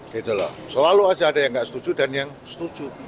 gitu loh selalu aja ada yang nggak setuju dan yang setuju